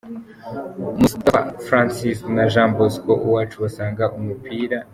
Moustapha Frnacis na Jean Bosco Uwacu basanga umupira.